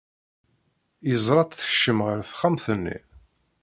Yeẓra-tt tekcem ɣer texxamt-nni.